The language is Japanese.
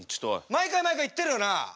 毎回毎回言ってるよな。